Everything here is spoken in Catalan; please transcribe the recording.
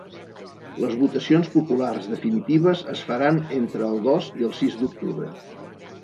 Les votacions populars definitives es faran entre el dos i el sis d’octubre.